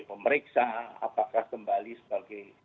pemeriksa apakah kembali sebagai